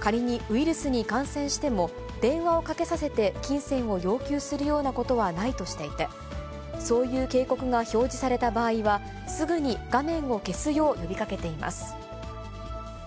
仮にウイルスに感染しても電話をかけさせて、金銭を要求するようなことはないとしていて、そういう警告が表示された場合は、すぐに画面を消すよう呼びかけています。